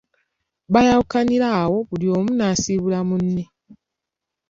Baayawukanira awo buli omu n'asiibula munne.